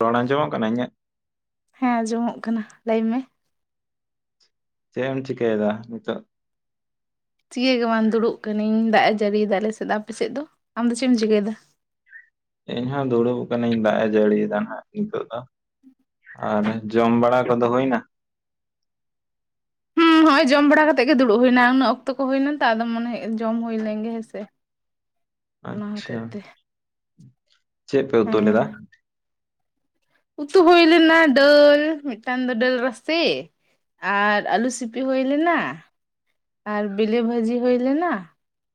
ᱨᱚᱲ ᱟᱸᱡᱚᱢᱚᱜ ᱠᱟᱱᱟ ᱤᱧᱟᱹᱜ᱾ ᱦᱮᱸ ᱚᱸᱡᱚᱢᱚᱜ ᱠᱟᱱᱟ ᱞᱟᱹᱭ ᱢᱮ᱾ ᱪᱮᱫ ᱮᱢ ᱪᱤᱠᱟᱹᱭᱮᱫᱟ ᱱᱤᱛᱚᱜ᱾ ᱪᱤᱠᱟᱹ ᱜᱮ ᱵᱟᱝ ᱫᱩᱲᱩᱵ ᱟᱠᱟᱹᱱᱟᱹᱧ ᱫᱟᱜ ᱮ ᱡᱟᱹᱲᱤᱭᱮᱫᱟ ᱟᱞᱮ ᱥᱮᱫ ᱟᱯᱮ ᱥᱮᱫ ᱫᱚ ᱟᱢ ᱫᱚ ᱪᱮᱫ ᱮᱢ ᱪᱤᱠᱟᱹᱭᱮᱫᱟ᱾ ᱤᱧ ᱦᱚᱸ ᱫᱩᱲᱩᱵ ᱟᱠᱟᱱᱟᱹᱧ ᱫᱟᱜ ᱮ ᱡᱟᱹᱲᱤ ᱭᱮᱫᱟ ᱱᱟᱜ ᱱᱤᱛᱚᱜ ᱫᱚ᱾ ᱟᱨ ᱡᱚᱢ ᱵᱟᱲᱟ ᱠᱚᱫᱚ ᱦᱩᱭᱮᱱᱟ᱾ ᱦᱮᱸ ᱦᱚᱭ ᱡᱚᱢ ᱵᱟᱲᱟ ᱠᱟᱛᱮᱜ ᱜᱮ ᱫᱩᱲᱩᱵ ᱦᱩᱭ ᱮᱱᱟ ᱩᱱᱟᱹ ᱚᱠᱛᱚ ᱠᱚ ᱦᱩᱭᱮᱱᱟ ᱛᱚ ᱟᱫᱚ ᱢᱚᱱᱮ ᱡᱚᱢ ᱦᱩᱭ ᱞᱮᱱ ᱜᱮ ᱦᱮᱸᱥᱮᱼᱼ ᱟᱪᱪᱷᱟ ᱪᱮᱫ ᱯᱮ ᱩᱛᱩ ᱦᱮᱸ ᱞᱮᱫᱟ? ᱩᱛᱩ ᱦᱩᱭ ᱞᱮᱱᱟ ᱫᱟᱹᱞ ᱢᱤᱫᱴᱟᱝ ᱫᱚ ᱫᱟᱹᱞ ᱨᱟᱥᱮ, ᱟᱨ ᱟᱹᱞᱩ ᱥᱤᱯᱤ ᱦᱩᱭ ᱞᱮᱱᱟ, ᱟᱨ ᱵᱤᱞᱤ ᱵᱷᱟᱹᱡᱤ ᱦᱩᱭ ᱞᱮᱱᱟ,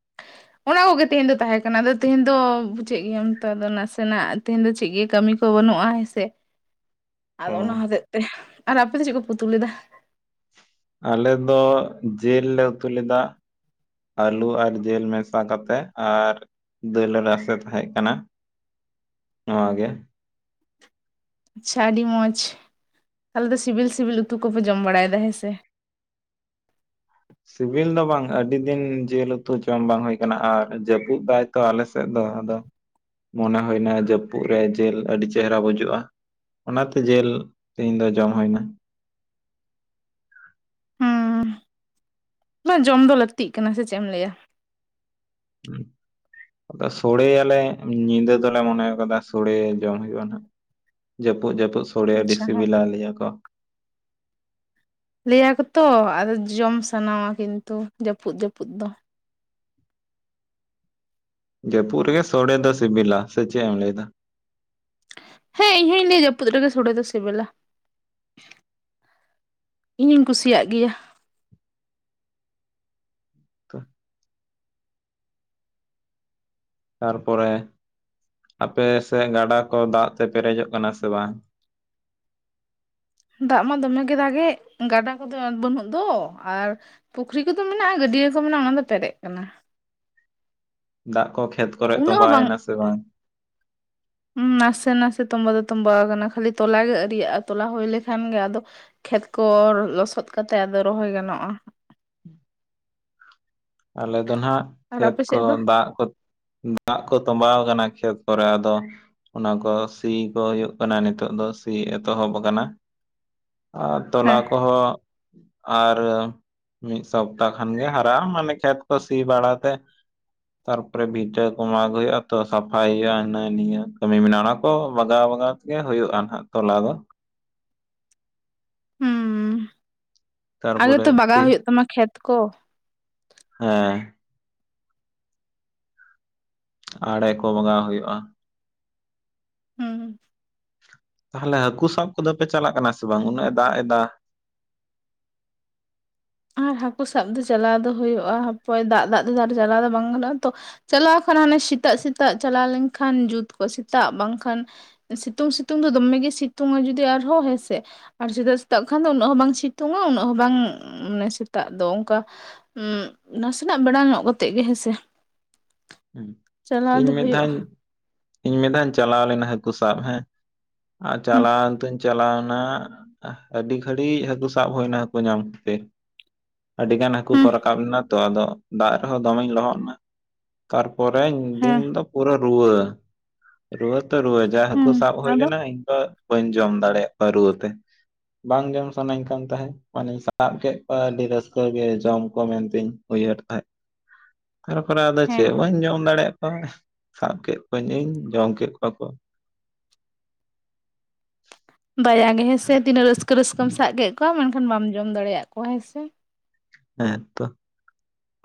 [unintelligible] ᱚᱱᱟ ᱠᱚᱜᱮ ᱛᱮᱦᱮᱧ ᱫᱚ ᱛᱟᱦᱮᱸᱠᱟᱱᱟ ᱟᱫᱚ ᱛᱮᱦᱮᱧ ᱫᱚ ᱵᱩᱡᱮᱜ ᱜᱮᱭᱟᱢ ᱛᱚ ᱟᱫᱚ ᱱᱟᱥᱮᱱᱟᱜ ᱛᱮᱦᱮᱧ ᱫᱚ ᱪᱮᱫ ᱜᱮ ᱠᱟᱹᱢᱤᱼᱼ ᱠᱚ ᱵᱟᱹᱱᱩᱜᱼᱟ ᱦᱮᱸ ᱥᱮᱼᱼ [unintelligible] ᱚ ᱟᱫᱚ ᱚᱱᱟ ᱦᱚᱛᱮᱜ ᱛᱮ ᱟᱨ ᱟᱯᱮ ᱫᱚ ᱪᱮᱫ ᱠᱚ ᱯᱮ ᱩᱛᱩ ᱞᱮᱫᱟ? ᱟᱞᱮ ᱫᱚ ᱡᱮᱞ ᱞᱮ ᱩᱛᱩ ᱞᱮᱫᱟ᱾ ᱟᱹᱞᱩ ᱟᱨ ᱡᱮᱞ ᱢᱮᱥᱟ ᱠᱟᱛᱮᱫ ᱟᱨᱼᱼ ᱫᱟᱹᱞ ᱨᱟᱥᱮ ᱛᱟᱦᱮᱸᱜ ᱠᱟᱱᱟ ᱱᱚᱣᱟᱜᱮᱼᱼ ᱟᱪᱪᱷᱟ ᱟᱹᱰᱤ ᱢᱚᱸᱡᱽ ᱛᱟᱦᱚᱞᱮ ᱫᱚ ᱥᱤᱵᱤᱞ ᱥᱤᱵᱤᱞ ᱩᱛᱩ ᱠᱚᱯᱮ ᱡᱚᱢ ᱵᱟᱲᱟᱭᱮᱫᱟ ᱦᱮᱸᱥᱮ, ᱥᱤᱵᱤᱞ ᱫᱚ ᱵᱟᱝ ᱟᱹᱰᱤ ᱫᱤᱱ ᱡᱤᱞ ᱩᱛᱩ ᱡᱚᱢ ᱵᱟᱝ ᱦᱩᱭ ᱟᱠᱟᱱᱟ ᱟᱨ ᱡᱟᱹᱯᱩᱫ ᱮᱫᱟᱭᱼᱼ ᱛᱚ ᱟᱞᱮ ᱥᱮᱫ ᱫᱚ ᱟᱫᱚ ᱢᱚᱱᱮ ᱦᱩᱭᱮᱱᱟ ᱡᱟᱹᱯᱩᱫ ᱨᱮ ᱡᱮᱞ ᱟᱹᱰᱤ ᱪᱮᱦᱨᱟ ᱵᱩᱡᱩᱜᱼᱟ᱾ ᱚᱱᱟᱛᱮ ᱡᱮᱞ ᱛᱮᱦᱮᱧ ᱫᱚ ᱡᱚᱢ ᱦᱳᱭ ᱮᱱᱟ᱾ ᱦᱩᱸ ᱵᱟᱝ ᱡᱚᱢ ᱫᱚ ᱞᱟᱹᱠᱛᱤᱜ ᱠᱟᱱᱟ ᱥᱮ ᱪᱮᱫ ᱮᱢ ᱞᱟᱹᱭᱟ? ᱦᱮᱸ [unintelligible] ᱟᱫᱚ ᱥᱚᱲᱮᱭᱟᱞᱮ ᱧᱤᱫᱟᱹ ᱫᱚᱞᱮ ᱢᱚᱱᱮ ᱟᱠᱟᱫᱟ ᱥᱚᱲᱮ ᱡᱚᱢ ᱦᱩᱭᱩᱜᱼᱟ ᱦᱟᱜ᱾ ᱡᱟᱹᱯᱩᱫ ᱡᱟᱹᱯᱩᱫ ᱥᱳᱲᱮ ᱟᱹᱰᱤ ᱟᱪᱪᱷᱟ ᱦᱮᱸ ᱥᱤᱵᱤᱞᱟ ᱞᱟᱹᱭᱟ ᱠᱚ᱾ ᱞᱟᱹᱭᱟᱠᱚ ᱛᱚ ᱟᱫᱚ ᱡᱚᱢ ᱥᱟᱱᱟᱣᱟ ᱠᱤᱱᱛᱩ ᱡᱟᱹᱯᱩᱫ ᱡᱟᱹᱯᱩᱫ ᱫᱚ ᱡᱟᱹᱯᱩᱜ ᱨᱮᱜᱮ ᱥᱚᱲᱮ ᱫᱚ ᱥᱤᱵᱤᱞᱟ ᱥᱮ ᱪᱮᱫ ᱮᱢ ᱞᱟᱹᱭ ᱫᱟ? ᱦᱮᱸ ᱤᱧ ᱦᱚᱸᱧ ᱞᱟᱹᱭᱟ ᱡᱟᱹᱯᱩᱫ ᱨᱮᱜᱮ ᱥᱚᱲᱮ ᱫᱚ ᱥᱤᱵᱤᱞᱟ᱾ ᱤᱧ ᱤᱧ ᱠᱩᱥᱤᱭᱟᱜ ᱜᱮᱭᱟ ᱛᱚ ᱛᱟᱨᱯᱚᱨᱮ ᱟᱯᱮ ᱥᱮᱜ ᱜᱟᱰᱟ ᱠᱚ ᱫᱟᱜ ᱛᱮ ᱯᱮᱨᱮᱡᱚᱜ ᱠᱟᱱᱟ ᱥᱮ ᱵᱟᱝ? ᱫᱟᱜ ᱢᱟ ᱫᱚᱢᱮ ᱜᱮ ᱫᱟᱠᱮᱜ ᱜᱟᱰᱟ ᱠᱚᱫᱚ ᱵᱟᱹᱱᱩᱜ ᱫᱚ ᱟᱨ ᱯᱩᱠᱷᱨᱤ ᱠᱚᱫᱚ ᱢᱮᱱᱟᱜ-ᱟ ᱜᱟᱹᱰᱭᱟᱹ ᱠᱚ ᱢᱮᱱᱟᱜ-ᱟ ᱚᱱᱟ ᱫᱚ ᱯᱮᱨᱮᱡ ᱠᱟᱱᱟ᱾ ᱫᱟᱜ ᱠᱚ ᱠᱷᱮᱛ ᱠᱚᱨᱮᱜ ᱩᱱᱟᱹᱜ ᱛᱚᱸᱵᱟ ᱦᱚᱸ ᱵᱟᱝ ᱭᱮᱱᱟ ᱥᱮ ᱵᱟᱝ? ᱱᱟᱥᱮ ᱱᱟᱥᱮ ᱛᱚᱸᱵᱟ ᱫᱚ ᱛᱚᱸᱵᱟᱣ ᱠᱟᱱᱟ ᱠᱷᱟᱹᱞᱤ ᱛᱚᱞᱟ ᱜᱮ ᱟᱹᱨᱤᱭᱟᱜᱼᱟ ᱛᱚᱞᱟ ᱦᱩᱭ ᱞᱮᱠᱷᱟᱱ ᱜᱮ ᱟᱫᱚ ᱠᱷᱮᱛ ᱠᱚ ᱞᱚᱥᱚᱫ ᱠᱟᱛᱮᱜ ᱟᱫᱚ ᱨᱚᱦᱚᱭ ᱜᱟᱱᱚᱜ-ᱟ ᱟᱞᱮ ᱫᱚ ᱱᱟᱜ ᱟᱨ ᱠᱷᱮᱛ ᱟᱯᱮ ᱠᱚ ᱥᱮᱫ ᱫᱚ ᱫᱟᱜ ᱠᱚᱛ ᱫᱟᱜ ᱠᱚ ᱛᱚᱸᱵᱟᱣ ᱟᱠᱟᱱᱟ ᱠᱷᱮᱛ ᱠᱚᱨᱮ ᱟᱫᱚ ᱚᱱᱟ ᱠᱚ ᱥᱤ ᱠᱚ ᱦᱩᱭᱩᱜ ᱠᱟᱱᱟ ᱱᱤᱛᱚᱜ ᱫᱚ ᱥᱤ ᱮᱛᱚᱦᱚᱵ ᱟᱠᱟᱱᱟ᱾ ᱟᱨ ᱛᱚᱞᱟ ᱦᱮᱸ ᱠᱚᱦᱚᱸ ᱟᱨ ᱢᱤᱫ ᱥᱚᱯᱛᱟᱦ ᱠᱷᱟᱱ ᱜᱮ ᱦᱟᱨᱟᱜᱼᱟ ᱢᱟᱱᱮ ᱠᱷᱮᱛ ᱠᱚ ᱥᱤ ᱵᱟᱲᱟᱛᱮ ᱛᱟᱨᱯᱚᱨᱮ ᱵᱷᱤᱴᱟᱹ ᱠᱚ ᱢᱟᱜ ᱦᱩᱭᱩᱜᱼᱟ ᱛᱚ ᱥᱟᱯᱷᱟᱭ ᱦᱩᱭᱩᱜᱼᱟ ᱦᱤᱱᱟᱹ ᱱᱤᱭᱟᱹ ᱠᱟᱹᱢᱤ ᱢᱮᱱᱟᱜᱼᱟ ᱚᱱᱟᱠᱚ ᱵᱟᱜᱟᱣ ᱵᱟᱜᱟᱣ ᱜᱮ ᱦᱩᱭᱩᱜᱼᱟᱱ ᱦᱟᱜ ᱛᱚᱞᱟ ᱫᱚ ᱟᱫᱚ ᱛᱚ ᱛᱟᱨᱯᱚᱨᱮ ᱵᱟᱜᱟᱣ ᱛᱤ ᱦᱩᱭᱩᱜ ᱛᱟᱢᱟ ᱠᱷᱮᱛ ᱠᱚ ᱦᱮᱸ ᱟᱲᱮ ᱠᱚ ᱵᱚᱸᱜᱟᱣ ᱦᱩᱭᱩᱜᱼᱟ᱾ ᱦᱩᱸ ᱛᱟᱦᱚᱞᱮ ᱦᱟᱹᱠᱩ ᱥᱟᱵ ᱠᱚᱫᱚ ᱯᱮ ᱪᱟᱞᱟᱜ ᱠᱟᱱᱟ ᱥᱮ ᱵᱟᱝ ᱩᱱᱟᱹᱜ ᱮ ᱫᱟᱜ ᱮᱫᱟ? ᱟᱨ ᱦᱟᱹᱠᱩ ᱥᱟᱵ ᱫᱚ ᱪᱟᱞᱟᱣ ᱫᱚ ᱦᱩᱭᱩᱜᱼᱟ ᱦᱟᱯᱚᱭ ᱫᱟᱜ ᱫᱟᱜ ᱛᱮᱫᱚ ᱟᱰᱤ ᱪᱟᱞᱟᱣ ᱫᱚ ᱵᱟᱝ ᱜᱟᱱᱚᱜᱼᱟ ᱛᱚ ᱪᱟᱞᱟᱣ ᱠᱷᱟᱱ ᱦᱟᱱᱮ ᱥᱮᱛᱟᱜ ᱥᱮᱛᱟᱜ ᱪᱟᱞᱟᱣ ᱞᱮᱱᱠᱷᱟᱱ ᱡᱩᱛ ᱠᱚᱜ ᱥᱮᱛᱟᱜ ᱵᱟᱝᱠᱷᱟᱱ ᱥᱤᱛᱩᱝ ᱥᱤᱛᱩᱝ ᱫᱚ ᱫᱚᱢᱮ ᱜᱮ ᱥᱤᱛᱩᱝᱼᱟ ᱡᱩᱫᱤ ᱟᱨᱦᱚᱸ ᱦᱮᱸᱥᱮ ᱟᱨ ᱥᱮᱛᱟᱜ ᱥᱮᱛᱟᱜ ᱠᱷᱟᱱ ᱫᱚ ᱩᱱᱟᱹᱜ ᱵᱟᱝ ᱥᱤᱛᱩᱝᱼᱟ ᱩᱱᱟᱹᱜ ᱵᱟᱝ ᱢᱟᱱᱮ ᱥᱮᱛᱟᱜ ᱫᱚ ᱚᱱᱠᱟ ᱱᱟᱥᱮᱱᱟᱜ ᱵᱮᱲᱟ ᱧᱚᱜ ᱠᱟᱛᱮᱜ ᱜᱮ ᱦᱮᱸᱥᱮ ᱦ [unintelligible] ᱦᱩᱸ ᱪᱟᱞᱟᱣ ᱤᱧ ᱫᱚ ᱢᱤᱫ ᱦᱩᱭᱩᱜᱼᱟ ᱫᱷᱟᱣᱤᱧ ᱢᱤᱫ ᱫᱷᱟᱣ ᱤᱧ ᱪᱟᱞᱟᱣ ᱞᱮᱱᱟ ᱦᱟᱹᱠᱩ ᱥᱟᱵ ᱦᱮᱸ ᱟᱨ ᱦᱩᱸ ᱪᱟᱞᱟᱣ ᱛᱚᱧ ᱪᱟᱞᱟᱣᱱᱟ ᱟᱹᱰᱤ ᱜᱷᱟᱹᱲᱤᱡ ᱦᱟᱹᱠᱩ ᱥᱟᱵ ᱦᱩᱭᱱᱟ ᱦᱟᱹᱠᱩ ᱧᱟᱢᱛᱮ ᱟᱹᱰᱤ ᱜᱟᱱ ᱦᱟᱹᱠᱩ ᱠᱚ ᱦᱩᱸ ᱨᱟᱠᱟᱵ ᱞᱮᱱᱟ ᱛᱚ ᱟᱫᱚ ᱫᱟᱜ ᱨᱮᱦᱚᱸ ᱫᱚᱢᱮᱧ ᱞᱚᱦᱚᱫ ᱱᱟ ᱛᱟᱨᱯᱚᱨᱮᱧ ᱫᱤᱱ ᱦᱮᱸ ᱫᱚ ᱯᱩᱨᱟᱹ ᱨᱩᱣᱟᱹ ᱨᱩᱣᱟᱹ ᱛᱚ ᱨᱩᱣᱟᱹ ᱡᱟ ᱦᱟᱹᱠᱩ ᱦᱩᱸ ᱥᱟᱵ ᱦᱩᱭ ᱟᱫᱚ ᱞᱮᱱᱟ ᱤᱧ ᱫᱚ ᱵᱟᱹᱧ ᱡᱚᱢ ᱫᱟᱲᱮᱭᱟᱜ ᱠᱚᱣᱟ ᱨᱩᱣᱟᱹᱛᱮ᱾ ᱵᱟᱝ ᱡᱚᱢ ᱥᱟᱱᱟᱧ ᱠᱟᱱ ᱛᱟᱦᱮᱸ ᱢᱟᱱᱮᱧ ᱥᱟᱵ ᱠᱮᱫ ᱠᱚᱣᱟ ᱟᱹᱰᱤ ᱨᱟᱹᱥᱠᱟᱹ ᱜᱮ ᱡᱚᱢ ᱠᱚ ᱢᱮᱱᱛᱮᱧ ᱩᱭᱦᱟᱹᱨ ᱛᱟᱦᱮᱸᱫ ᱛᱟᱨᱯᱚᱨᱮ ᱟᱫᱚ ᱦᱮᱸ ᱪᱮᱫ ᱵᱟᱹᱧ ᱡᱚᱢ ᱫᱟᱲᱮᱭᱟᱜ ᱠᱚᱣᱟ ᱥᱟᱵ ᱠᱮᱫ ᱠᱚᱣᱟᱹᱧ ᱤᱧ ᱡᱚᱢ ᱠᱮᱫ ᱠᱚᱣᱟ ᱠᱚ᱾ ᱫᱟᱭᱟ ᱜᱮ ᱦᱮᱸᱥᱮ ᱛᱤᱱᱟᱹᱜ ᱨᱟᱹᱥᱠᱟᱹ ᱨᱟᱹᱥᱠᱟᱹᱢ ᱥᱟᱵ ᱠᱮᱫ ᱠᱚᱣᱟ, ᱢᱮᱱᱠᱷᱟᱱ ᱵᱟᱢ ᱡᱚᱢ ᱫᱟᱲᱮᱭᱟ ᱠᱚᱣᱟ ᱦᱮᱸ ᱥᱮ? ᱦᱮᱸᱛᱚ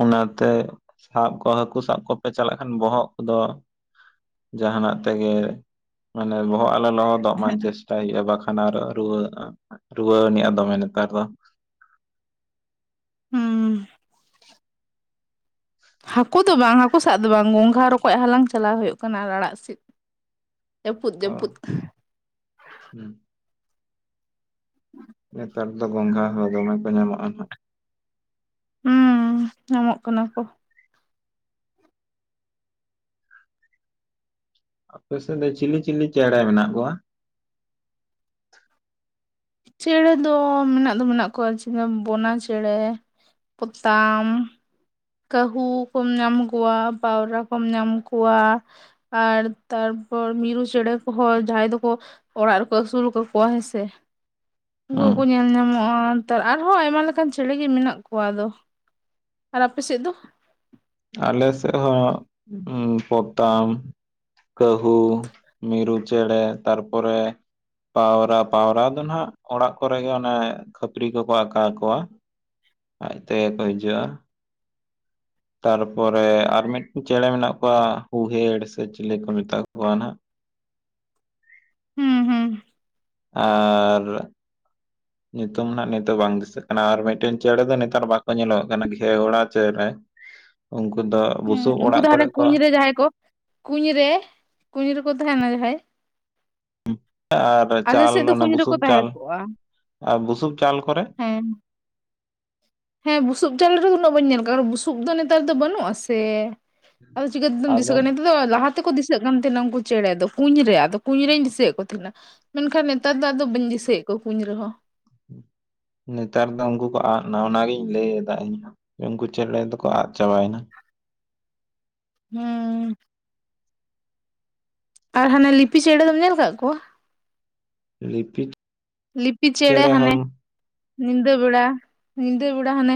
ᱚᱱᱟᱛᱮ ᱥᱟᱵ ᱠᱚ ᱦᱟᱹᱠᱩ ᱥᱟᱵ ᱠᱚᱯᱮ ᱪᱟᱞᱟᱜ ᱠᱷᱟᱱ ᱵᱚᱦᱚᱜ ᱠᱚᱫᱚ ᱡᱟᱦᱟᱱᱟᱜ ᱛᱮᱜᱮ ᱢᱟᱱᱮ ᱵᱚᱦᱚᱜ ᱟᱞᱚ ᱞᱚᱦᱚᱫ ᱛᱚᱜ ᱢᱟᱧ ᱪᱮᱥᱴᱟᱭ ᱦᱩᱭᱩᱜᱼᱟ ᱵᱟᱝᱠᱷᱟᱱ ᱟᱨᱚ ᱨᱩᱣᱟᱹ ᱨᱩᱣᱟᱹᱱᱤᱡᱼᱟ ᱫᱚᱢᱮ ᱱᱮᱛᱟᱨ ᱫᱚ᱾ ᱦᱩᱸ ᱦᱟᱹᱠᱩ ᱫᱚ ᱵᱟᱝ ᱦᱟᱹᱠᱩ ᱥᱟᱵ ᱫᱚ ᱵᱟᱝ ᱜᱚᱝᱜᱷᱟ ᱨᱚᱠᱚᱡ ᱦᱟᱞᱟᱝ ᱪᱟᱞᱟᱣ ᱦᱩᱭᱩᱜ ᱠᱟᱱᱟ ᱟᱨ ᱟᱲᱟᱜ ᱥᱤᱫ᱾ ᱡᱟᱹᱯᱩᱫ ᱚ ᱡᱟᱹᱯᱩᱫ, ᱦᱩᱸ [inaudible] ᱱᱮᱛᱟᱨ ᱫᱚ ᱜᱚᱸᱝᱜᱷᱟ ᱦᱚᱸ ᱫᱚᱢᱮ ᱠᱚ ᱧᱟᱢᱚᱜᱼᱟ ᱱᱟᱜ, ᱦᱩᱸ ᱧᱟᱢᱚᱜ ᱠᱟᱱᱟ ᱠᱚ, ᱟᱯᱮ ᱥᱮᱫ ᱫᱚ ᱪᱤᱞᱤ ᱪᱤᱞᱤ ᱪᱮᱬᱮ ᱢᱮᱱᱟᱜ ᱠᱚᱣᱟ, ᱪᱮᱬᱮ ᱫᱚ ᱢᱮᱱᱟᱜ ᱫᱚ ᱢᱮᱱᱟᱜ ᱠᱚᱣᱟ ᱪᱮᱬᱮ ᱵᱚᱱᱟ ᱪᱮᱬᱮ, ᱯᱚᱛᱟᱢ, ᱠᱟᱹᱦᱩ ᱠᱚᱢ ᱧᱟᱢ ᱠᱚᱣᱟ ᱯᱟᱣᱨᱟ ᱠᱚᱢ ᱧᱟᱢ ᱠᱚᱣᱟ, ᱟᱨ ᱛᱟᱨᱯᱚᱨ ᱢᱤᱨᱩ ᱪᱮᱬᱮ ᱠᱚᱦᱚᱸ ᱡᱟᱦᱟᱸᱭ ᱫᱚᱠᱚ, ᱚᱲᱟᱜ ᱨᱮᱠᱚ ᱟᱹᱥᱩᱞ ᱠᱟᱠᱚᱣᱟ ᱦᱮᱸ ᱥᱮ, ᱩᱱᱠᱩ ᱦᱩᱸ ᱠᱚᱠᱚ ᱧᱮᱞ ᱧᱟᱢᱚᱜᱼᱟ ᱱᱮᱛᱟᱨ ᱟᱨᱦᱚᱸ ᱟᱭᱢᱟ ᱞᱮᱠᱟᱱ ᱪᱮᱬᱮ ᱜᱮ ᱢᱮᱱᱟᱜ ᱠᱚᱣᱟ ᱟᱫᱚ, ᱟᱨ ᱟᱯᱮ ᱥᱮᱫ ᱫᱚ, ᱟᱞᱮ ᱥᱮᱫ ᱦᱚᱸ ᱯᱚᱛᱟᱢ, ᱠᱟᱹᱦᱩ ᱢᱤᱨᱩ ᱪᱮᱬᱮ ᱛᱟᱨᱯᱚᱨᱮ, ᱯᱟᱣᱨᱟ ᱯᱟᱣᱨᱟ ᱫᱚ ᱱᱟᱜ ᱚᱲᱟᱜ ᱠᱚᱨᱮ ᱜᱮ ᱚᱱᱮ ᱠᱷᱟᱹᱯᱟᱹᱨᱤ ᱠᱚᱠᱚ ᱟᱠᱟ ᱟᱠᱚᱣᱟ ᱟᱡ ᱛᱮᱜᱮ ᱠᱚ ᱦᱤᱡᱩᱜᱼᱟ, ᱛᱟᱨᱯᱚᱨᱮ ᱟᱨ ᱢᱤᱫᱴᱤᱡ ᱪᱮᱬᱮ ᱢᱮᱱᱟᱜ ᱠᱚᱣᱟ ᱦᱩᱦᱮᱲ ᱥᱮ ᱪᱤᱞᱤ ᱠᱚ ᱢᱮᱛᱟ ᱠᱚᱣᱟ, ᱠᱚᱣᱟ ᱱᱷᱟᱜ, ᱦᱩᱸ ᱦᱩᱸ, ᱟᱨ ᱧᱩᱛᱩᱢ ᱱᱟᱜ ᱱᱤᱛᱚᱜ ᱵᱟᱝ ᱫᱤᱥᱟᱹᱜ ᱠᱟᱱᱟ ᱟᱨ ᱢᱤᱫᱴᱮᱱ ᱪᱮᱬᱮ ᱫᱚ ᱱᱮᱛᱟᱨ ᱵᱟᱠᱚ ᱧᱮᱞᱚᱜ ᱠᱟᱱᱟ ᱜᱷᱮᱣᱲᱟ ᱪᱮᱬᱮ, ᱩᱱᱠᱩ ᱫᱚ ᱦᱩᱸ ᱵᱩᱥᱩᱵ ᱩᱱᱠᱩ ᱚᱲᱟᱜ ᱫᱚ ᱦᱟᱱᱮ ᱠᱚᱨᱮ ᱠᱚ, ᱠᱩᱧ ᱨᱮ ᱡᱟᱦᱟᱸᱭ ᱠᱚ, ᱠᱩᱧ ᱨᱮ ᱠᱩᱧ ᱨᱮᱠᱚ ᱛᱟᱦᱮᱸᱱᱟ ᱡᱟᱦᱟᱸᱭ, ᱟᱨ ᱟᱞᱮ ᱥᱮᱫ ᱪᱟᱞ ᱫᱚ ᱚᱱᱟ ᱠᱩᱧ ᱨᱮᱠᱚ ᱵᱩᱥᱩᱵ ᱛᱟᱦᱮᱸ ᱪᱟᱞ ᱠᱚᱜᱼᱟ ᱟᱨ ᱵᱩᱥᱩᱵ ᱪᱟᱞ ᱠᱚᱨᱮ ᱦᱮᱸ, ᱦᱮᱸ ᱵᱩᱥᱩᱵ ᱪᱟᱞ ᱨᱮᱫᱚ ᱩᱱᱟᱹᱜ ᱵᱟᱹᱧ ᱧᱮᱞ ᱠᱟᱜᱼᱟ ᱵᱩᱥᱩᱵ ᱫᱚ ᱱᱮᱛᱟᱨ ᱫᱚ ᱵᱟᱹᱱᱩᱜᱼᱟ ᱥᱮ, ᱟᱫᱚ ᱪᱤᱠᱟᱹ ᱛᱮᱫᱚᱢ ᱫᱤᱥᱟᱹᱜ ᱠᱟᱱᱟ᱾ ᱟᱫᱚ ᱞᱟᱦᱟ ᱛᱮᱠᱚ ᱫᱤᱥᱟᱹᱜ ᱠᱟᱱ ᱛᱟᱦᱮᱸᱱᱟ ᱩᱱᱠᱩ ᱪᱮᱬᱮ ᱫᱚ ᱠᱩᱸᱧ ᱨᱮ ᱟᱫᱚ ᱠᱩᱸᱧ ᱨᱮᱧ ᱫᱤᱥᱟᱹᱭᱮᱫ ᱠᱚ ᱛᱟᱦᱱᱮᱜ-ᱟ, ᱢᱮᱱᱠᱷᱟᱱ ᱱᱮᱛᱟᱨ ᱫᱚ ᱟᱫᱚ ᱵᱟᱹᱧ ᱫᱤᱥᱟᱹᱭᱮᱫ ᱠᱚᱣᱟ ᱠᱩᱧ ᱨᱮᱦᱚᱸ, ᱱᱮᱛᱟᱨ ᱫᱚ ᱩᱱᱠᱩ ᱠᱚ ᱟᱫ ᱮᱱᱟ ᱚᱱᱟᱜᱤᱧ ᱞᱟᱹᱭ ᱮᱫᱟ ᱤᱧᱦᱚᱸ, ᱩᱱᱠᱩ ᱪᱮᱬᱮ ᱫᱚᱠᱚ ᱟᱫ ᱪᱟᱵᱟᱭᱮᱱᱟ, ᱦᱩᱸ, ᱟᱨ ᱦᱟᱱᱮ ᱞᱤᱯᱤ ᱪᱮᱬᱮ ᱫᱚᱢ ᱧᱮᱞ ᱟᱠᱟᱫ ᱠᱚᱣᱟ, ᱞᱤᱯᱤᱠ, ᱞᱤᱯᱤ ᱪᱮᱬᱮ ᱦᱟᱱᱮ ᱧᱤᱫᱟᱹ ᱵᱮᱲᱟ ᱧᱤᱫᱟᱹ ᱵᱮᱲᱟ ᱦᱟᱱᱮ,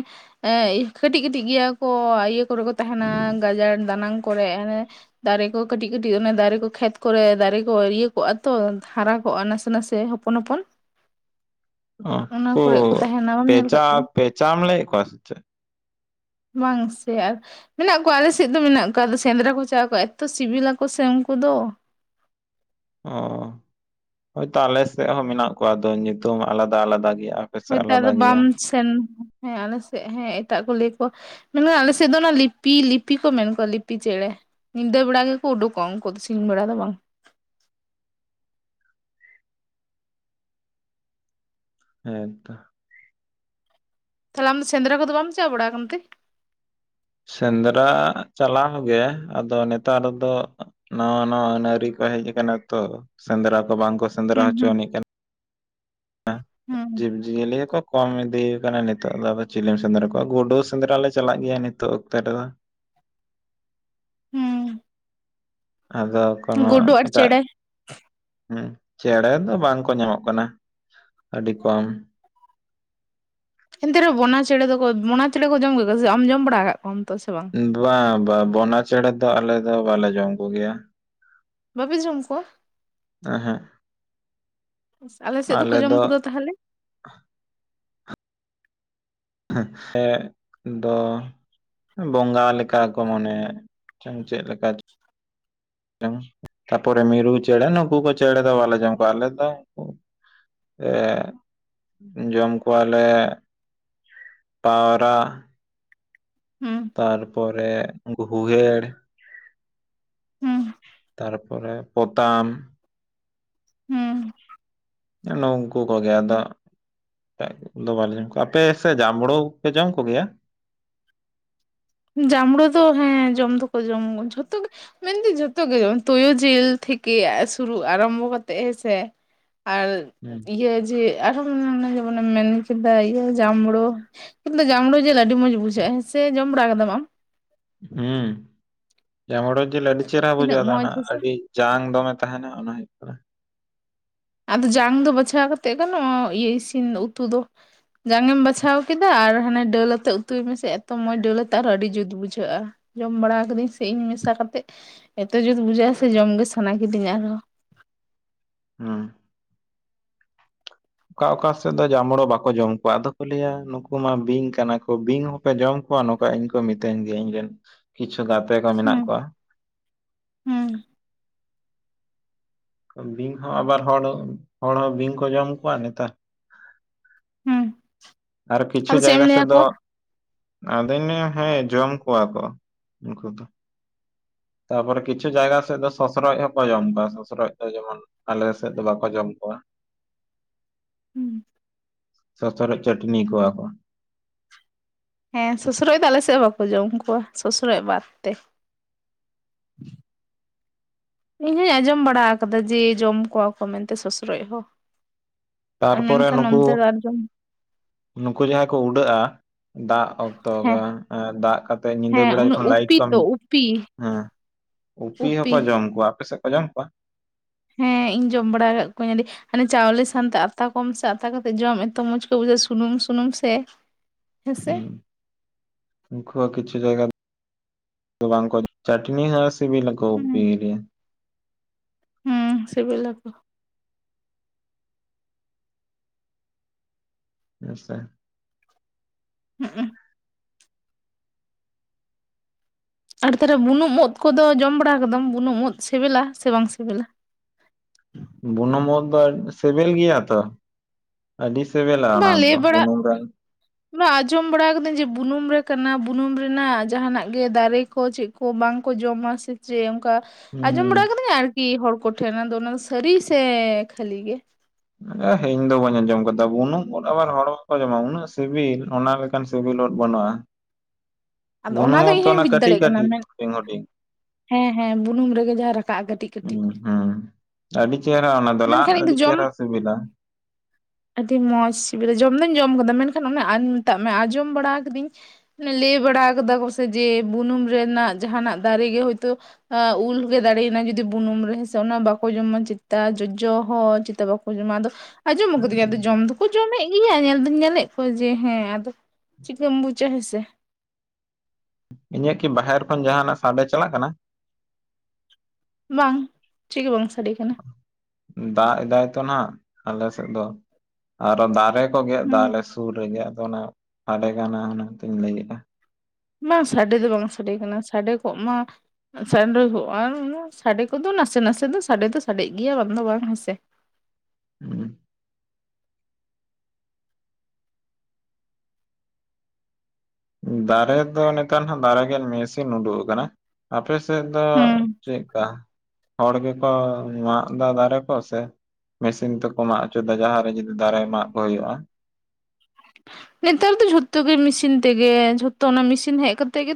ᱮ ᱠᱟᱹᱴᱤᱡ ᱠᱟᱹᱴᱤᱡ ᱜᱮᱭᱟ ᱠᱚ ᱟᱤᱭᱟᱹ ᱠᱚᱨᱮ ᱠᱚ ᱛᱟᱦᱮᱸᱱᱟ ᱜᱟᱡᱟᱲ ᱫᱟᱱᱟᱝ ᱠᱚᱨᱮ ᱟᱱᱮ, ᱫᱟᱨᱮ ᱠᱚ ᱠᱟᱹᱴᱤᱡ ᱠᱟᱹᱴᱤᱡ ᱚᱱᱮ ᱫᱟᱨᱮ ᱠᱚ ᱠᱷᱮᱛ ᱠᱚᱨᱮ ᱫᱟᱨᱮ ᱠᱚ ᱤᱭᱟᱹ ᱠᱚᱜᱼᱟ ᱛᱚ ᱦᱟᱨᱟ ᱠᱚᱜᱼᱟ ᱱᱟᱥᱮ ᱱᱟᱥᱮ ᱦᱚᱯᱚᱱ ᱦᱚᱯᱚᱱ, ᱚ ᱚᱱᱟ ᱩᱱᱠᱩ ᱠᱚᱨᱮ ᱠᱚ ᱛᱟᱦᱮᱱᱟ ᱵᱟᱢ ᱧᱮᱞ ᱟᱠᱟᱫ ᱯᱮᱪᱟ ᱠᱚᱣᱟ ᱯᱮᱪᱟᱢ ᱞᱟᱹᱭᱮᱫ ᱠᱚᱭᱟ ᱥᱮ ᱪᱮᱫ, ᱵᱟᱝ ᱥᱮ ᱟᱨ, ᱢᱮᱱᱟᱜ ᱠᱚᱣᱟ ᱟᱞᱮ ᱥᱮᱫ ᱫᱚ ᱢᱮᱱᱟᱜ ᱠᱚᱣᱟ ᱟᱞᱮ ᱥᱮᱫ ᱫᱚ ᱢᱮᱱᱟᱜ ᱠᱚᱣᱟ ᱟᱫᱚ ᱥᱮᱸᱫᱽᱨᱟ ᱠᱚ ᱪᱟᱜ ᱟᱠᱚ ᱮᱛᱚ ᱥᱤᱵᱤᱞᱟᱠᱚ ᱥᱮ ᱩᱱᱠᱚ ᱫᱚ, ᱚ ᱦᱳᱭᱛᱚ ᱟᱞᱮ ᱥᱮᱫ ᱦᱚᱸ ᱢᱮᱱᱟᱜ ᱠᱚᱣᱟ ᱟᱫᱚ ᱧᱩᱛᱩᱢ ᱟᱞᱟᱫᱟ ᱟᱞᱟᱫᱟ ᱜᱮᱭᱟ, ᱥᱮᱫ ᱦᱳᱭᱛᱚ ᱟᱞᱟᱫᱟ ᱟᱫᱚ ᱜᱮᱭᱟ ᱵᱟᱢ ᱥᱮᱱ ᱦᱮᱸ ᱟᱞᱮᱥᱮᱫ ᱦᱮᱸ ᱮᱴᱟᱜ ᱠᱚ ᱞᱟᱹᱭ ᱠᱚᱣᱟ, ᱢᱮᱱᱠᱷᱟᱱ ᱟᱞᱮ ᱥᱮᱫ ᱫᱚ ᱚᱱᱟ ᱞᱤᱯᱤ ᱞᱤᱯᱤ ᱠᱚ ᱢᱮᱱ ᱠᱚᱣᱟ ᱞᱤᱯᱤ ᱪᱮᱬᱮ, ᱧᱤᱫᱟᱹ ᱵᱮᱲᱟ ᱜᱮᱠᱚ ᱩᱰᱩᱚᱜᱼᱟ ᱩᱱᱠᱩ ᱫᱚ ᱥᱤᱧ ᱵᱮᱲᱟ ᱫᱚ ᱵᱟᱝ, ᱦᱮᱸ ᱛᱚ, ᱛᱟᱦᱚᱞᱮ ᱟᱢ ᱫᱚ ᱥᱮᱸᱫᱽᱨᱟ ᱠᱚᱫᱚ ᱵᱟᱢ ᱪᱟ ᱵᱲᱲᱟ ᱠᱟᱱ ᱛᱮ, ᱥᱮᱸᱫᱽᱨᱟ ᱪᱟᱞᱟᱣ ᱜᱮ ᱟᱫᱚ ᱱᱮᱛᱟᱨ ᱫᱚ, ᱱᱟᱭᱟ ᱱᱟᱣᱟ ᱟᱹᱱ ᱟᱹᱨᱤ ᱠᱚ ᱦᱮᱡ ᱟᱠᱟᱱᱟ ᱛᱚ ᱥᱮᱸᱫᱽᱨᱟ ᱠᱚ ᱵᱟᱝ ᱠᱚ ᱥᱮᱸᱫᱽᱨᱟ ᱦᱩᱸ ᱦᱩᱸ ᱦᱚᱪᱚᱱᱤᱡ ᱠᱟᱱᱟ, ᱡᱤᱵᱽ, ᱡᱤᱭᱟᱹᱞᱤ ᱜᱮᱠᱚ ᱠᱚᱢ ᱤᱫᱤᱭ ᱠᱟᱱᱟ ᱱᱤᱛᱚᱜ ᱫᱚ ᱟᱫᱚ ᱪᱤᱞᱤᱢ ᱥᱮᱸᱫᱽᱨᱟ ᱠᱚᱣᱟ ᱜᱩᱰᱩ ᱥᱮᱸᱫᱽᱨᱟ ᱞᱮ ᱪᱟᱞᱟᱜ ᱜᱮᱭᱟ ᱱᱤᱛᱚᱜ ᱚᱠᱛᱮ ᱨᱮᱫᱚ, ᱦᱩᱸ ᱟᱫᱚ ᱦᱩᱸ ᱠᱚᱱᱳ ᱜᱩᱰᱩ ᱟᱨ ᱮᱴᱟᱜ, ᱪᱮᱬᱮ ᱦᱩᱸ ᱪᱮᱬᱮ ᱫᱚ ᱵᱟᱝ ᱠᱚ ᱧᱟᱢᱚᱜ ᱠᱟᱱᱟ ᱟᱹᱰᱤ ᱠᱚᱢ, ᱮᱱᱛᱮ ᱨᱮᱦᱚᱸ ᱵᱚᱱᱟ ᱪᱮᱬᱮ ᱫᱚᱠᱚ ᱵᱚᱱᱟ ᱪᱮᱬᱮ ᱠᱚ ᱡᱚᱢ ᱠᱮᱫ ᱠᱚᱣᱟ ᱥᱮ ᱟᱢ ᱡᱚᱢ ᱵᱟᱲᱟ ᱟᱠᱟᱫ ᱠᱚᱣᱟᱢ ᱛᱚ ᱥᱮ ᱵᱟᱝ? ᱵᱟᱝ ᱵᱟ ᱵᱚᱱᱟ ᱪᱮᱬᱮ ᱫᱚ ᱟᱞᱮ ᱫᱚ ᱵᱟᱞᱮ ᱡᱚᱢ ᱠᱚᱜᱮᱭᱟ, ᱵᱟᱯᱮ ᱡᱚᱢ ᱠᱚᱣᱟ? ᱮᱸᱦᱮᱸᱜ, ᱟᱞᱮ ᱥᱮᱫ ᱫᱚᱠᱚ ᱡᱚᱢ ᱠᱚᱫᱚ ᱛᱟᱦᱟᱞᱮ, ᱦᱮᱸ ᱮᱸᱜ ᱫᱚ, ᱵᱚᱸᱜᱟ ᱞᱮᱠᱟ ᱠᱚ ᱢᱚᱱᱮᱭᱮᱜ ᱪᱮᱫ ᱞᱮᱠᱟ ᱪᱚ ᱴᱮᱝ, ᱛᱟᱯᱚᱨᱮ ᱢᱤᱨᱩ ᱪᱮᱬᱮ ᱱᱩᱠᱩ ᱠᱚ ᱪᱮᱬᱮ ᱫᱚ ᱵᱟᱞᱮ ᱡᱚᱢ ᱠᱚᱣᱟ ᱟᱞᱮ ᱫᱚ, ᱮᱸᱜ ᱡᱚᱢ ᱠᱚᱣᱟ ᱞᱮ, ᱯᱟᱸᱣᱨᱟ, ᱩᱸ ᱛᱟᱨᱯᱚᱨᱮ ᱩᱱᱠᱩ ᱦᱩᱭᱮᱲ, ᱦᱩᱸ ᱛᱟᱨᱯᱚᱨᱮ ᱯᱚᱛᱟᱢ, ᱦᱩᱸ, ᱱᱩᱝᱠᱩ ᱠᱚᱜᱮ ᱟᱫᱚ, ᱫᱚ ᱵᱟᱞᱮ ᱡᱚᱢ ᱠᱚᱣᱟ ᱟᱯᱮ ᱥᱮ ᱡᱟᱢᱲᱩ ᱯᱮ ᱡᱚᱢ ᱠᱚ ᱜᱮᱭᱟ? ᱡᱟᱢᱲᱩ ᱫᱚ ᱦᱮᱸ ᱡᱚᱢ ᱫᱚᱠᱚ ᱡᱚᱢ ᱡᱷᱚᱛᱚ ᱜᱮ, ᱢᱮᱱᱫᱟᱹᱧ ᱡᱷᱚᱛᱚ ᱜᱮ ᱦᱩᱭᱩᱜ-ᱟ ᱛᱩᱭᱩ ᱡᱤᱞ ᱛᱷᱮᱠᱮ ᱥᱩᱨᱩ ᱟᱨᱟᱢᱵᱚ ᱠᱟᱛᱮᱜ ᱦᱮᱸ ᱥᱮ, ᱟᱨ ᱦᱩᱸ ᱤᱭᱟᱹ ᱡᱮ, ᱟᱨᱦᱚᱢ ᱚᱱᱮ ᱡᱮᱢᱚᱱᱮᱢ ᱢᱮᱱ ᱠᱮᱫᱟ ᱤᱭᱟᱹ ᱡᱟᱢᱲᱩ ᱠᱤᱱᱛᱩ ᱡᱟᱢᱲᱩ ᱡᱮᱞᱮ ᱟᱰᱤ ᱟᱹᱰᱤ ᱢᱚᱸᱡᱽ ᱵᱩᱡᱷᱟᱹᱜ-ᱟ ᱦᱮᱸ ᱥᱮ ᱡᱚᱢ ᱵᱟᱲᱟ ᱠᱟᱫᱟᱢ ᱟᱢ? ᱦᱩᱸ ᱡᱟᱢᱲᱩ ᱡᱤᱞ ᱟᱹᱰᱤ ᱪᱮᱦᱮᱨᱟ ᱛᱤᱱᱟᱹᱜ ᱵᱩᱡᱷᱟᱹᱜ-ᱟ ᱟᱫᱚ ᱢᱚᱸᱡᱽ ᱚᱱᱟ ᱦᱮᱸᱥᱮ ᱟᱹᱰᱤ, ᱡᱟᱝ ᱫᱚᱢᱮ ᱛᱟᱦᱮᱸᱱᱟ ᱚᱱᱟ ᱦᱩᱭᱩᱜ ᱠᱟᱱᱟ, ᱟᱫᱚ ᱡᱟᱝ ᱫᱚ ᱵᱟᱪᱷᱟᱣ ᱠᱟᱛᱮᱫ ᱜᱟᱱᱚᱜ-ᱟ ᱤᱭᱟᱹ ᱤᱥᱤᱱ ᱩᱛᱩ ᱫᱚ, ᱡᱟᱝ ᱮᱢ ᱵᱟᱪᱷᱟᱣ ᱠᱮᱫᱟ ᱟᱨ ᱦᱟᱱᱮ ᱫᱟᱹᱞ ᱟᱛᱮ ᱩᱛᱩᱭ ᱢᱮᱥᱮ ᱮᱛᱚ ᱢᱚᱸᱡᱽ ᱰᱟᱹᱞ ᱟᱛᱮ ᱟᱨᱚᱸ ᱟᱹᱰᱤ ᱡᱩᱛ ᱵᱩᱡᱷᱟᱹᱜ-ᱟ᱾ ᱡᱚᱢ ᱵᱟᱲᱟ ᱟᱠᱟᱫᱟᱹᱧ ᱥᱮ ᱤᱧ ᱢᱮᱥᱟ ᱠᱟᱛᱮᱫ ᱮᱛᱚ ᱡᱩᱛ ᱵᱩᱡᱷᱟᱹᱜ-ᱟ ᱥᱮ ᱡᱚᱢ ᱜᱮ ᱥᱟᱱᱟ ᱠᱤᱫᱤᱧᱟ ᱟᱨᱦᱚᱸ, ᱦᱩᱸ ᱚᱠᱟ ᱚᱠᱟ ᱥᱮᱫ ᱫᱚ ᱡᱟᱢᱲᱩ ᱵᱟᱠᱚ ᱡᱚᱢ ᱠᱚᱣᱟ ᱟᱫᱚ ᱠᱚ ᱞᱟᱹᱭᱟ ᱱᱩᱠᱩ ᱢᱟ ᱵᱤᱧ ᱠᱟᱱᱟ ᱠᱚ ᱵᱤᱧ, ᱯᱮ ᱡᱚᱢ ᱠᱚᱣᱟ ᱱᱚᱠᱟ ᱤᱧ ᱠᱚ ᱢᱤᱛᱟᱹᱧ ᱜᱮᱭᱟ ᱤᱧ ᱨᱮᱱ ᱠᱤᱪᱷᱩ ᱜᱟᱛᱮ ᱠᱚ ᱢᱮᱱᱟᱜ ᱦᱩᱸ ᱠᱚᱣᱟ, ᱦᱩᱸ ᱵᱤᱧ ᱦᱚᱸ ᱟᱵᱟᱨ ᱦᱚᱲᱚ ᱦᱚᱲ ᱦᱚᱸ ᱵᱤᱧ ᱠᱚ ᱡᱚᱢ ᱠᱚᱣᱟ ᱱᱮᱛᱟᱨ, ᱦᱩᱸ ᱟᱨ ᱠᱤᱪᱷᱩ ᱟᱫᱚ ᱪᱮᱫ ᱮᱢ ᱡᱟᱭᱜᱟ ᱞᱟᱹᱭ ᱥᱮᱫ ᱫᱚ, ᱟᱠᱚᱣᱟ ᱟᱫᱚᱧ ᱞᱟᱹᱭᱟ ᱦᱮᱸ ᱡᱚᱢ ᱠᱚᱣᱟ ᱠᱚ ᱩᱱᱠᱩ ᱫᱚ, ᱛᱟᱯᱚᱨᱮ ᱠᱤᱪᱷᱩ ᱡᱟᱭᱜᱟ ᱥᱮᱫ ᱫᱚ ᱥᱚᱥᱚᱨᱚᱡ ᱦᱚᱠᱚ ᱡᱚᱢ ᱠᱚᱣᱟ ᱥᱚᱥᱚᱨᱚᱡ ᱫᱚ ᱡᱮᱢᱚᱱ, ᱟᱞᱮ ᱥᱮᱫ ᱫᱚ ᱵᱟᱠᱚ ᱡᱚᱢ ᱠᱚᱣᱟ, ᱦᱩᱸ ᱥᱚᱥᱨᱚᱡ ᱪᱟᱹᱴᱱᱤ ᱠᱚᱣᱟ ᱠᱚ, ᱦᱮᱸ ᱥᱚᱥᱨᱚᱡ ᱫᱚ ᱟᱞᱮ ᱥᱮᱜ ᱦᱚᱸ ᱵᱟᱠᱚ ᱡᱚᱢ ᱠᱚᱣᱟ ᱥᱚᱥᱨᱚᱡ ᱵᱟᱫ ᱛᱮ᱾ ᱤᱧᱦᱚᱸᱧ ᱟᱸᱡᱚᱢ ᱵᱟᱲᱟᱣ ᱠᱟᱫᱟ ᱡᱮ, ᱡᱚᱢ ᱠᱚᱣᱟ ᱠᱚ ᱢᱮᱱ ᱛᱮ ᱥᱚᱥᱨᱚᱡ ᱦᱚ᱾ ᱛᱟᱨᱯᱚᱨᱮ ᱱᱩᱠᱩ ᱫᱚ ᱟᱨ ᱡᱚᱢ ᱱᱩᱠᱩ ᱡᱟᱦᱟᱸᱭ ᱠᱚ ᱩᱰᱟᱹᱜᱼᱟ ᱫᱟᱜ ᱚᱠᱛᱚ ᱦᱮᱸ ᱜᱮ ᱮᱸ ᱫᱟᱜ ᱠᱟᱛ ᱛᱮ ᱧᱤᱫᱟᱹ ᱦᱮᱸ ᱵᱮᱲᱟ ᱩᱱᱟᱹᱜ ᱡᱚᱠᱷᱚᱱ ᱞᱟᱭᱤᱰ ᱩᱯᱤ ᱠᱚᱢ ᱛᱚ ᱩᱯᱤ ᱦᱮᱸ ᱩᱯᱤ ᱦᱚᱸ ᱠᱚ ᱡᱚᱢ ᱠᱚᱣᱟ, ᱟᱯᱮ ᱥᱮᱜ? ᱠᱚ ᱡᱚᱢ ᱠᱚᱣᱟ? ᱦᱮᱸ ᱤᱧ ᱡᱚᱢ ᱵᱟᱲᱟᱣ ᱠᱟᱜ ᱠᱚᱣᱟᱹᱧ ᱟᱹᱰᱤ ᱦᱟᱱᱮ ᱪᱟᱣᱞᱮ ᱥᱟᱱᱛᱮ ᱟᱛᱟ ᱠᱚᱢ ᱥᱮ ᱟᱛᱟ ᱠᱟᱛᱮᱜ ᱡᱚᱢ ᱮᱛᱚ ᱢᱚᱡᱽ ᱠᱚ ᱵᱩᱡᱷᱟᱹᱜᱼᱟ ᱥᱩᱱᱩᱢ ᱥᱩᱱᱩᱢ ᱥᱮ᱾ ᱦᱮᱸ ᱥᱮ? ᱦᱩᱸ ᱩᱱᱠᱩ ᱦᱚᱸ ᱠᱤᱪᱷᱩ ᱡᱟᱭᱜᱟ ᱵᱟᱝ ᱠᱚ ᱪᱟᱴᱱᱤ ᱦᱚᱸ ᱥᱤᱵᱤᱞ ᱟᱠᱚ ᱠᱚ ᱩᱯᱤ ᱜᱤ- ᱦᱩᱸ ᱥᱮᱵᱮᱞᱟ ᱠᱚ᱾ ᱦᱮᱸᱥᱮ ᱦᱩᱸᱜᱼᱩ ᱟᱨ ᱛᱟᱦᱞᱮ ᱵᱩᱱᱩᱢ ᱩᱫ ᱠᱚᱫᱚ ᱡᱚᱢ ᱵᱟᱲᱟ ᱠᱟᱫᱟᱢ ᱵᱩᱱᱩᱢ ᱩᱫ ᱥᱤᱵᱤᱞᱟ ᱥᱮ ᱵᱟᱝ ᱥᱤᱵᱤᱞᱟ? ᱵᱩᱱᱩᱢ ᱩᱫᱽ ᱫᱚ ᱥᱤᱵᱤᱞ ᱜᱮᱭᱟ ᱛᱚ᱾ ᱟᱹᱰᱤ ᱥᱮᱵᱮᱞᱟ ᱚᱱᱟ ᱫᱚ ᱵᱩᱱᱩᱢ ᱨᱮᱱ ᱵᱟ ᱟᱸᱡᱚᱢ ᱵᱟᱲᱟᱣ ᱠᱟᱹᱫᱟᱹᱧ ᱡᱮ ᱵᱩᱱᱩᱢ ᱨᱮ ᱠᱟᱱᱟ ᱵᱩᱱᱩᱢ ᱨᱮᱱᱟᱜ ᱡᱟᱦᱱᱟᱜ ᱜᱮ ᱫᱟᱨᱮ ᱠᱚ ᱪᱮᱜ ᱠᱚ ᱵᱟᱝᱠᱚ ᱡᱚᱢᱟ ᱥᱮ ᱪᱮ ᱚᱝᱠᱟ ᱟᱸᱡᱚᱢ ᱦᱩᱸ ᱵᱟᱲᱟᱣ ᱠᱟᱹᱫᱟᱹᱧ ᱟᱨᱠᱤ ᱦᱚᱲ ᱠᱚᱴᱷᱮᱱ ᱟᱫᱚ ᱚᱱᱟ ᱫᱚ ᱥᱟᱹᱨᱤ ᱥᱮ ᱠᱷᱟᱹᱞᱤ ᱜᱮ? ᱮ ᱤᱧ ᱫᱚ ᱵᱟᱹᱧ ᱟᱸᱡᱚᱢ ᱠᱟᱫᱟ ᱵᱩᱱᱩᱢ ᱩᱫᱽ ᱟᱵᱟᱨ ᱦᱚᱲ ᱵᱟᱠᱚ ᱡᱚᱢᱟ ᱩᱱᱟᱹᱜ ᱥᱤᱵᱤᱞ ᱚᱱᱟ ᱞᱟᱹ ᱠᱟᱱ ᱥᱤᱵᱤᱞ ᱩᱫ ᱵᱟᱹᱱᱩᱜᱼᱟ, ᱟᱫᱚ ᱵᱩᱱᱩᱢ ᱫᱚ ᱩᱫ ᱤᱧ ᱛᱚ ᱦᱚᱧ ᱚᱱᱟ ᱵᱩᱡ ᱠᱟᱹᱴᱤᱡ ᱫᱟᱲᱮᱭᱟᱜ ᱠᱟᱱᱟ ᱠᱟᱹᱴᱤᱡ ᱢᱮᱱ ᱦᱩᱰᱤᱧ ᱦᱩᱰᱤᱧ᱾ ᱦᱮᱸ ᱦᱮᱸ ᱵᱩᱱᱩᱢ ᱨᱮᱜᱮ ᱡᱟᱦᱟᱸ ᱨᱟᱠᱟᱜᱼᱟ ᱠᱟᱹᱴᱤᱡ᱾ ᱠᱟᱹᱴᱤᱡ ᱩᱸ ᱦᱩᱸ ᱟᱹᱰᱤ ᱪᱮᱦᱨᱟ ᱚᱱᱟ ᱫᱚ ᱞᱟᱜ ᱢᱮᱱᱠᱷᱟᱱ ᱤᱧ ᱫᱚ ᱟᱹᱰᱤ ᱡᱚᱢ ᱪᱮᱦᱨᱟ ᱥᱤᱵᱤᱞᱟ᱾ ᱟᱹᱰᱤ ᱢᱚᱸᱡᱽ ᱥᱤᱵᱤᱞᱟ ᱡᱚᱢ ᱫᱚᱧ ᱡᱚᱢ ᱠᱟᱫᱟ ᱢᱮᱱᱠᱷᱟᱱ ᱚᱱᱟ ᱟᱱ ᱢᱮᱛᱟᱜ ᱢᱮ ᱟᱸᱡᱚᱢ ᱵᱟᱲᱟᱣ ᱠᱟᱫᱟᱹᱧ ᱞᱟᱹᱭ ᱵᱟᱲᱟᱣ ᱠᱟᱫᱟ ᱠᱚᱥᱮ ᱡᱮ ᱵᱩᱱᱩᱢ ᱨᱮᱱᱟᱜ ᱡᱟᱦᱟᱱᱟᱜ ᱫᱟᱨᱮ ᱜᱮ ᱦᱳᱭᱛᱳ ᱮ ᱩᱞ ᱜᱮ ᱫᱟᱲᱮᱭᱱᱟ ᱡᱩᱫᱤ ᱵᱩᱱᱩᱢ ᱨᱮ ᱦᱮᱥᱮ ᱚᱱᱟ ᱵᱟᱠᱚ ᱡᱚᱢᱟ ᱪᱮᱛᱟ ᱡᱚᱡᱚ ᱦᱚᱸ ᱪᱮᱛᱟ ᱵᱟᱠ ᱠᱚ ᱡᱚᱢᱟ ᱟᱫᱚ ᱟᱡᱚᱢ ᱠᱟᱫᱟᱹᱧ ᱟᱫᱚ ᱡᱚᱢ ᱫᱚ ᱠᱚ ᱡᱚᱢᱮᱜ ᱜᱮᱭᱟ ᱧᱮᱞ ᱫᱚᱧ ᱧᱮᱞᱮᱜ ᱠᱚᱣᱟ ᱡᱮ ᱦᱮᱸ ᱟᱫᱚ ᱪᱤᱠᱟᱹᱢ ᱵᱩᱡᱟ ᱦᱮᱸ ᱥᱮ᱾ ᱤᱧᱟᱹᱜ ᱠᱤ ᱵᱟᱦᱮᱨ ᱠᱷᱚᱱ ᱡᱟᱦᱱᱟᱜ ᱥᱟᱰᱮ ᱪᱟᱞᱟᱜ ᱠᱟᱱᱟ? ᱵᱟᱝ ᱪᱮᱜ ᱜᱮ ᱵᱟᱝ ᱥᱟᱰᱮ ᱠᱟᱱᱟ᱾ ᱫᱟᱜ ᱮᱫᱟᱭ ᱛᱚ ᱱᱟᱜ ᱟᱞᱮ ᱥᱮᱫ ᱫᱚ ᱟᱨᱚ ᱫᱟᱨᱮ ᱠᱚ ᱜᱮᱫ ᱫᱟ ᱦᱩᱸ ᱟᱞᱮ ᱥᱩᱨ ᱨᱮᱜᱮ ᱟᱫᱚ ᱚᱱᱟ ᱥᱟᱰᱮ ᱠᱟᱱᱟ ᱚᱱᱟᱛᱤᱧ ᱞᱟᱹᱭᱮᱜᱼᱟ᱾ ᱵᱟᱝ ᱥᱟᱰᱮ ᱫᱚ ᱵᱟᱝ ᱥᱟᱰᱮ ᱠᱟᱱᱟ, ᱥᱟᱰᱮ ᱠᱚᱜ ᱢᱟ ᱥᱟᱱᱰᱮ ᱠᱚᱜ ᱟᱝ ᱥᱟᱰᱮ ᱠᱚᱫᱚ ᱱᱟᱥᱮ ᱱᱟᱥᱮ ᱫᱚ ᱥᱟᱰᱮ ᱫᱚ ᱥᱟᱰᱮᱜ ᱜᱮᱭᱟ ᱵᱟᱝ ᱫᱚ ᱵᱟᱝ ᱦᱮᱸᱥᱮ᱾ [inaudible] ᱫᱟᱨᱮ ᱫᱚ ᱱᱮᱛᱟᱨ ᱱᱟᱦᱟᱜ ᱫᱟᱨᱮᱜᱮᱫ ᱢᱮᱥᱤᱱ ᱩᱰᱩᱜ ᱠᱟᱱᱟ ᱟᱯᱮ ᱥᱮ ᱥᱮᱜ ᱫᱚ ᱦᱩᱸ ᱪᱮᱜᱠᱟ ᱦᱚᱲ ᱜᱮᱠᱚ ᱢᱟᱜ ᱫᱟ ᱫᱟᱨᱮ ᱠᱚ? ᱥᱮ ᱢᱮᱥᱤᱱ ᱛᱮᱠᱚ ᱢᱟᱜ ᱦᱚᱪᱚᱭᱫᱟ ᱡᱟᱦᱟᱸ ᱨᱮ ᱡᱩᱫᱤ ᱫᱟᱨᱮ ᱢᱟᱜ ᱠᱚ ᱦᱩᱭᱩᱜᱼᱟ᱾ ᱱᱮᱛᱟᱨ ᱫᱚ ᱡᱷᱚᱛᱚ ᱜᱮ ᱢᱮᱥᱤᱱ ᱛᱮᱜᱮ ᱡᱷᱚᱛᱚ ᱚᱱᱟ ᱢᱮᱥᱤᱱ ᱦᱮᱜ ᱠᱟᱛᱮᱜ ᱜᱮ